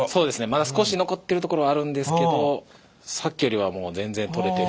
まだ少し残ってるところあるんですけどさっきよりはもう全然取れてる。